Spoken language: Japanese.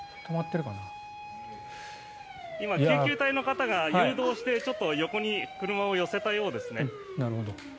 今、救急隊の方が誘導してちょっと横に車を寄せたようですね。